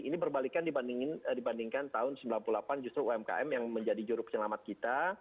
ini berbalikan dibandingkan tahun sembilan puluh delapan justru umkm yang menjadi juruk selamat kita